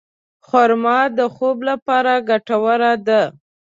خرما د خوب لپاره ګټوره ده.